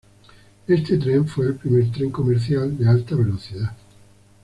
Este tren fue el primer tren comercial de alta velocidad.